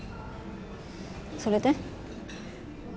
それで？